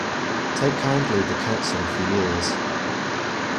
Take kindly the counsel of the years